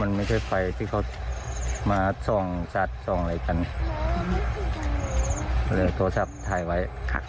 เคยมีใครเห็นมั้ยอะไรยังไง